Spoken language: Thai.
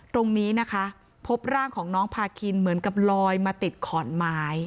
ตรงนี้นะคะพบร่างของน้องพาคินเหมือนกับลอยมาติดขอนไม้